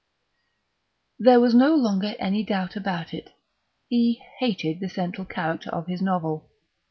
There was no longer any doubt about it; he hated the central character of his novel.